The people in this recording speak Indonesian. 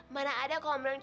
mana ada kalau merenang cuci